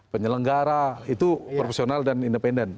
penyelenggara itu profesional dan independen